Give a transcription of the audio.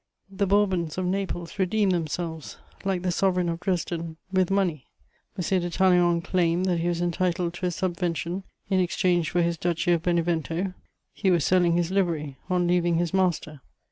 The Bourbons of Naples redeemed themselves, like the sovereign of Dresden, with money. M. de Talleyrand claimed that he was entitled to a subvention, in exchange for his Duchy of Benevento: he was selling his livery on leaving his master.